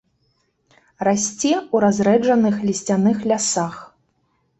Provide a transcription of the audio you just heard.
Расце ў разрэджаных лісцяных лясах.